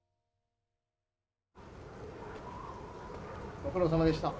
ご苦労さまでした。